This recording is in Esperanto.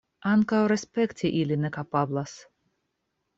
Ankaŭ respekti ili ne kapablas.